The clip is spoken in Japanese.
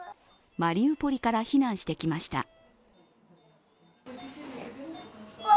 マリウポリから避難してきました。